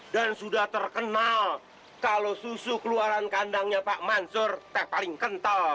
dan sudah terkenal kalau susu keluaran kandangnya pak mansur teh paling kental